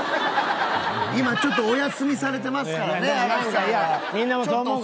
今ちょっとお休みされてますからね。